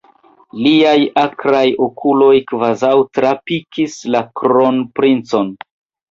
Liaj akraj okuloj kvazaŭ trapikis la kronprincon.